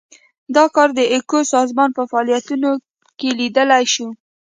دا کار د ایکو سازمان په فعالیتونو کې لیدلای شو.